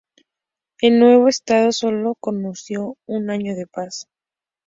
El nuevo Estado solo conoció un año de paz.